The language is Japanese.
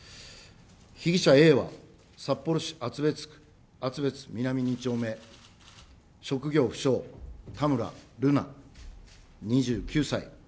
被疑者Ａは、札幌市厚別区厚別南２丁目、職業不詳、たむらるな２９歳。